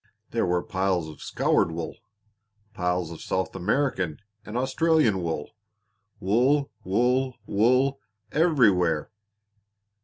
There were piles of scoured wool, piles of South American and Australian wool wool, wool, wool everywhere!